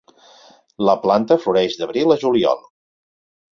La planta floreix d'abril a juliol.